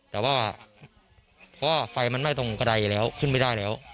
แต่ว่าเพราะว่าไฟมันไหม้ตรงกระดายแล้วขึ้นไม่ได้แล้ว